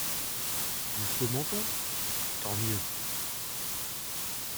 Jusqu’au menton… tant mieux !